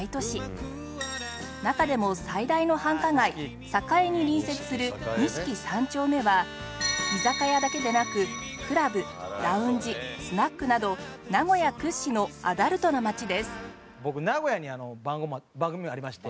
中でも最大の繁華街栄に隣接する錦三丁目は居酒屋だけでなくクラブラウンジスナックなど僕名古屋に番ゴマ番組がありまして。